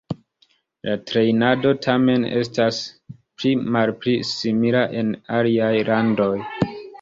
La trejnado tamen estas pli malpli simila en aliaj landoj.